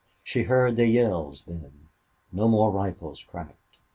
She heard the yells then. No more rifles cracked.